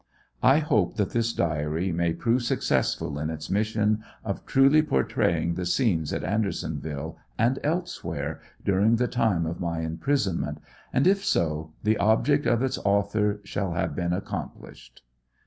I hope that this Diary may prove successful in its mission of truly portraying the scenes at Andersonville and elsewhere during the time of my imprisonment, and if so, the object of its author shall have been accomplished.